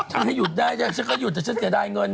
ถ้าอยู่ได้ฉันก็หยุดแต่ฉันเสียดายเงินเถอะ